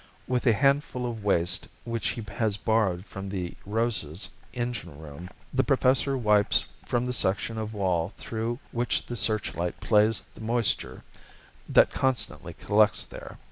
With a handful of waste which he has borrowed from the Rosa's engine room, the Professor wipes from the section of wall through which the searchlight plays the moisture that constantly collects there.